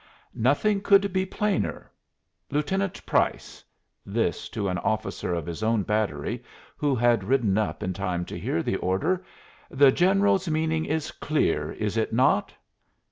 "Nothing could be plainer. Lieutenant Price," this to an officer of his own battery, who had ridden up in time to hear the order "the general's meaning is clear, is it not?"